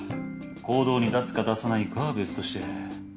行動に出すか出さないかは別として。